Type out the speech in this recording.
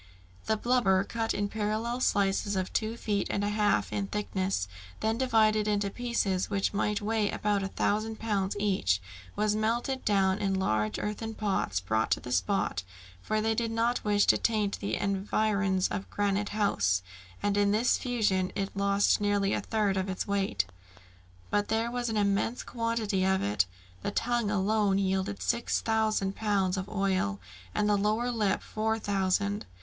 The blubber, cut in parallel slices of two feet and a half in thickness, then divided into pieces which might weigh about a thousand pounds each, was melted down in large earthen pots brought to the spot, for they did not wish to taint the environs of Granite House, and in this fusion it lost nearly a third of its weight. But there was an immense quantity of it; the tongue alone yielded six thousand pounds of oil, and the lower lip four thousand.